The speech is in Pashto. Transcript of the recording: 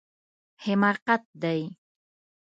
حماقت دی